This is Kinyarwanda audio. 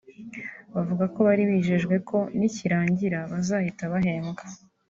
bavuga ko bari bijejwe ko nikirangira bazahita bahembwa